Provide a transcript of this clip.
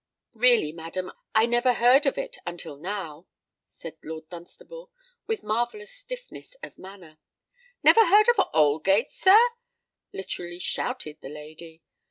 "Really, madam, I never heard of it until now," said Lord Dunstable, with marvellous stiffness of manner. "Never heard of Aldgate, sir?" literally shouted the lady.